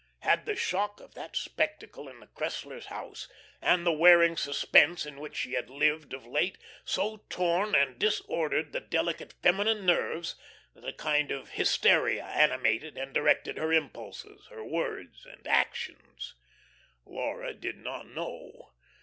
Had the shock of that spectacle in the Cresslers' house, and the wearing suspense in which she had lived of late, so torn and disordered the delicate feminine nerves that a kind of hysteria animated and directed her impulses, her words, and actions? Laura did not know.